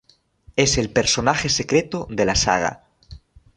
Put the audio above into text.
Es el "personaje secreto" de la saga.